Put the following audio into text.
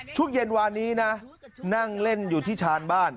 ช่วงเย็นวานนี้นะนั่งเล่นอยู่ที่ชานบ้าน